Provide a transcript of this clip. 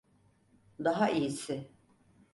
Daha iyisi.